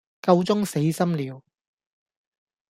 夠鐘死心了